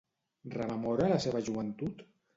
Rememora la seva joventut?